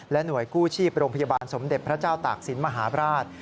หน่วยกู้ชีพโรงพยาบาลสมเด็จพระเจ้าตากศิลปราช